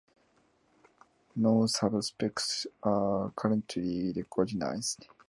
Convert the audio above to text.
No subspecies are currently recognized.